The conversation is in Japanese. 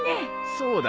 そうだ。